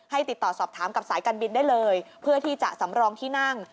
ติดต่อสอบถามกับสายการบินได้เลยเพื่อที่จะสำรองที่นั่ง